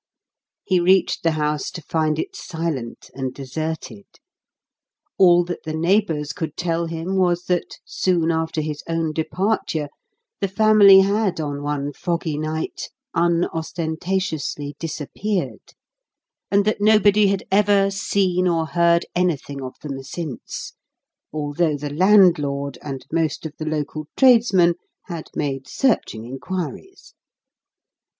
He reached the house to find it silent and deserted. All that the neighbours could tell him was that, soon after his own departure, the family had, on one foggy night, unostentatiously disappeared, and that nobody had ever seen or heard anything of them since, although the landlord and most of the local tradesmen had made searching inquiries.